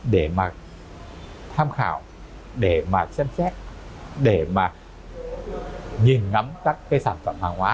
để mà tham khảo để mà xem xét để mà nhìn ngắm các cái sản phẩm hàng hóa